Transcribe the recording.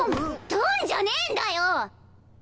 「ドンッ」じゃねえんだよ！